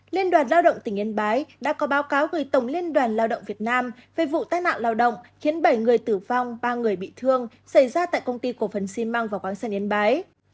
liên đoàn lao động tỉnh nghiên bái đã có báo cáo gửi tổng liên đoàn lao động việt nam về vụ tai nạn lao động khiến bảy người tử vong ba người bị thương xảy ra tại công ty cổ phân xi măng và khoáng sản nghiên bái